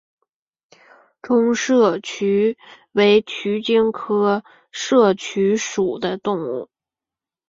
中麝鼩为鼩鼱科麝鼩属的动物。